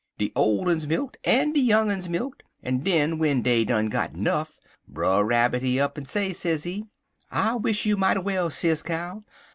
De ole uns milk't en de young uns milk't, en den w'en dey done got nuff, Brer Rabbit, he up'n say, sezee: "'I wish you mighty well, Sis Cow.